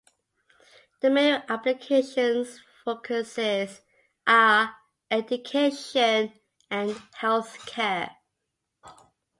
The main applications' focuses are education and healthcare.